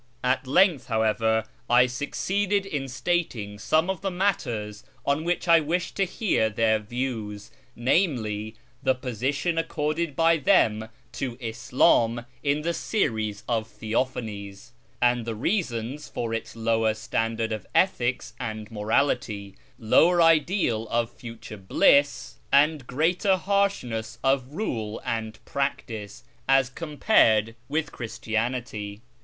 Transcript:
At length, however, I succeeded in stating some of the matters on which I wished to hear their views, viz., the position accorded by them to Ishini in the series of Theophanies, and the reasons for its lower standard of ethics and morality, lower ideal of future bliss, and greater harshness of rule and practice, as compared with Christianity.